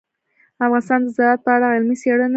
افغانستان د زراعت په اړه علمي څېړنې لري.